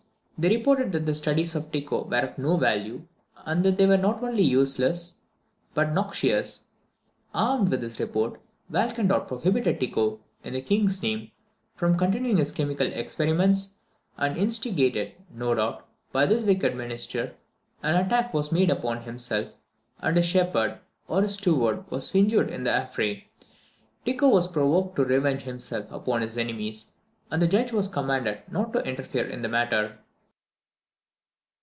They reported that the studies of Tycho were of no value, and that they were not only useless, but noxious. Armed with this report, Walchendorp prohibited Tycho, in the King's name, from continuing his chemical experiments; and instigated, no doubt, by this wicked minister, an attack was made upon himself, and his shepherd or his steward was injured in the affray. Tycho was provoked to revenge himself upon his enemies, and the judge was commanded not to interfere in the matter.